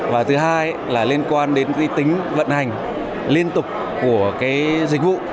và thứ hai là liên quan đến uy tính vận hành liên tục của dịch vụ